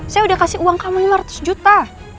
saya udah kasih uang kamu lima ratus juta